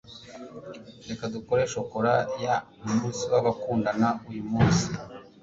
reka dukore shokora ya umunsi w'abakundana uyu munsi